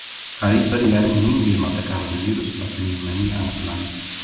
Qariyb bir yarim ming bemorda koronavirus va pnevmoniya aniqlandi